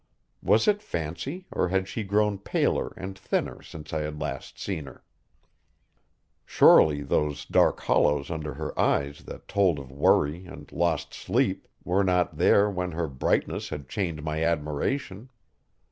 Was it fancy, or had she grown paler and thinner since I had last seen her? Surely those dark hollows under her eyes that told of worry and lost sleep were not there when her brightness had chained my admiration.